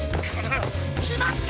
しまった！